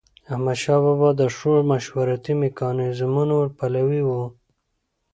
احمدشاه بابا د ښو مشورتي میکانیزمونو پلوي و.